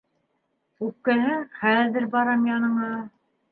Үпкәләһәң, хәҙер барам яныңа!